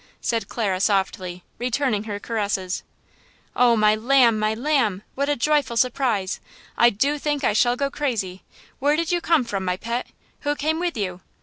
said Clara, softly, returning her caresses. "Oh, my lamb! my lamb! what a joyful surprise! I do think I shall go crazy! Where did you come from, my pet? Who came with you?